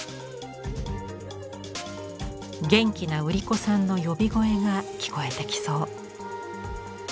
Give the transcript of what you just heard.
元気な売り子さんの呼び声が聞こえてきそう。